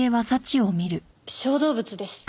小動物です。